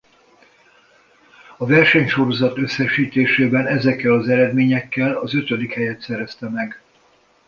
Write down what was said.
A versenysorozat összesítésében ezekkel az eredményekkel az ötödik helyet szerezte meg.